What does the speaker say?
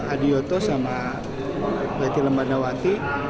adi oto sama weti lembanawati